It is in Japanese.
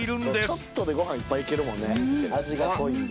ちょっとでごはんいっぱいいけるもんね味が濃いんで。